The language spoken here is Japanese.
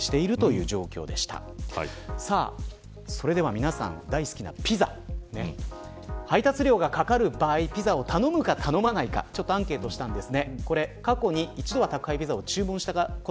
皆さん大好きなピザ配達料がかかる場合ピザを頼むか、頼まないかアンケートしたんです。